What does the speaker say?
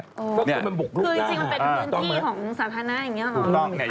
คือจริงมันเป็นพื้นที่ของสาธารณะอย่างนี้หรอ